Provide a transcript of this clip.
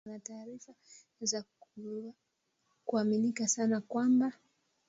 Lakini Brig Ekenge amesema katika taarifa kwamba wana taarifa za kuaminika sana kwamba